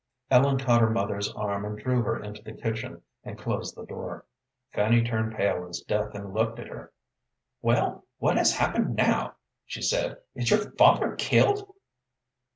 Ellen caught her mother's arm and drew her into the kitchen, and closed the door. Fanny turned pale as death and looked at her. "Well, what has happened now?" she said. "Is your father killed?"